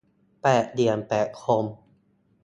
แปดเหลี่ยมแปดคม